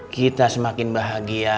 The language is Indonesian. kita semakin bahagia